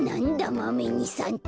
マメ２さんって。